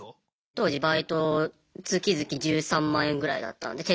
当時バイト月々１３万円ぐらいだったんで手取りが。